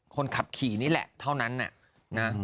คนขับขี่นี่แหละเท่านั้นนะ